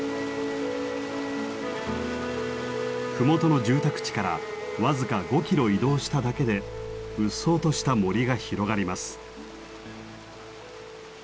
麓の住宅地から僅か５ｋｍ移動しただけでうっそうとした森が広がります。